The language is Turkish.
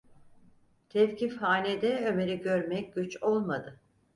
Tevkifhanede Ömer’i görmek güç olmadı.